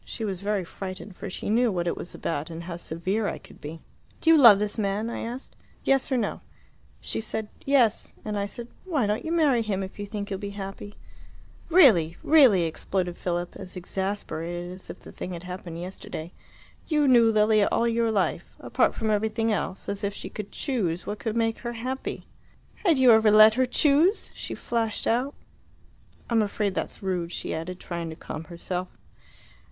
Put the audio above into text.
She was very frightened, for she knew what it was about and how severe I could be. 'Do you love this man?' I asked. 'Yes or no?' She said 'Yes.' And I said, 'Why don't you marry him if you think you'll be happy?'" "Really really," exploded Philip, as exasperated as if the thing had happened yesterday. "You knew Lilia all your life. Apart from everything else as if she could choose what could make her happy!" "Had you ever let her choose?" she flashed out. "I'm afraid that's rude," she added, trying to calm herself.